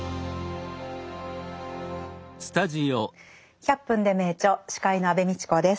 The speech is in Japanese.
「１００分ｄｅ名著」司会の安部みちこです。